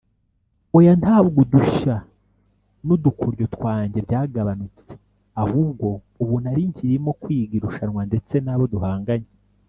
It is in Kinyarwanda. “Oya ntabwo udushya n’udukoryo twanjye byagabanyutse ahubwo ubu nari nkirimo kwiga irushanwa ndetse n’abo duhanganye